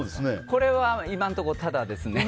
これはいまのところタダです。